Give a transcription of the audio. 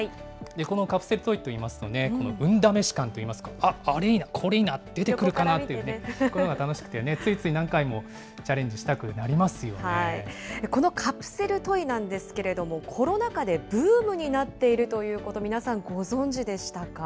このカプセルトイといいますと、この運試し感といいますか、あっ、あれいいな、これいいな、出てくるかなというね、こういうのが楽しくて、ついつい何回もチこのカプセルトイなんですけれども、コロナ禍でブームになっているということ、皆さん、ご存じでしたか？